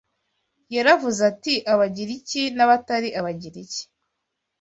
Yaravuze ati: “Abagiriki n’abatari Abagiriki,